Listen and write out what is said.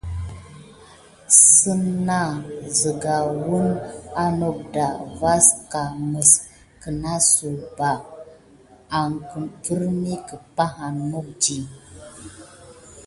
Sina siga wule anok da vas ka mis kinasuk ba pane suk berakin nawa.